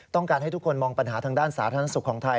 ต้องการให้ทุกคนมองปัญหาทางด้านสาธารณสุขของไทย